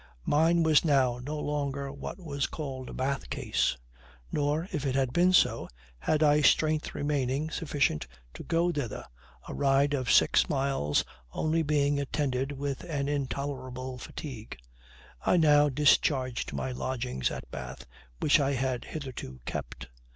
Mine was now no longer what was called a Bath case; nor, if it had been so, had I strength remaining sufficient to go thither, a ride of six miles only being attended with an intolerable fatigue. I now discharged my lodgings at Bath, which I had hitherto kept.